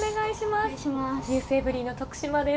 ｎｅｗｓｅｖｅｒｙ．の徳島です。